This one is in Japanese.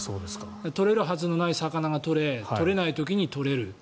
取れるはずのない魚が取れ取れない時期に取れる。